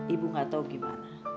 ibu gak tau gimana